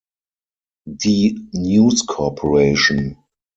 Die News Corp.